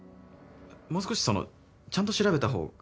もう少しそのちゃんと調べた方が。